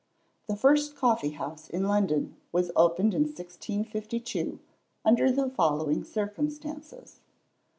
The first coffee house in London was opened in 1652, under the following circumstances.